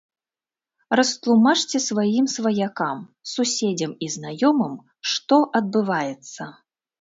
Растлумачце сваім сваякам, суседзям і знаёмым, што адбываецца.